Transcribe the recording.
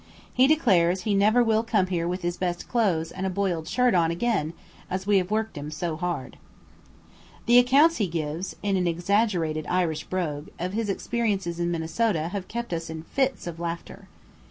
He declares he never will come here with his best clothes and a "boiled" shirt on again, as we have worked him so hard. The accounts he gives, in an exaggerated Irish brogue, of his experiences in Minnesota have kept us in fits of laughter.